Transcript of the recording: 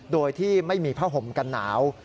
โดยที่ไม่มีผ้าห่มกันหนาว